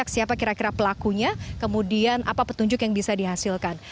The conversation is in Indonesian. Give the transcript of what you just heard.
siapa kira kira pelakunya kemudian apa petunjuk yang bisa dihasilkan